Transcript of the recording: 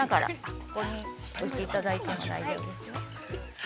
ここに置いていただいても大丈夫ですよ。